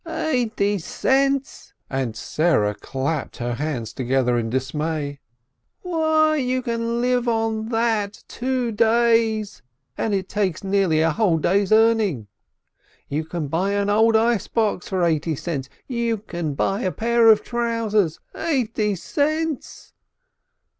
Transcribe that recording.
"Eighty cents!" and Sarah clapped her hands to gether in dismay. "Why, you can live on that two days, and it takes nearly a whole day's earning. You can buy an old ice box for eighty cents, you can buy a pair of trousers — eighty cents!"